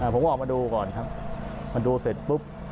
ผมออกมาดูก่อนครับมาดูเสร็จปุ๊บ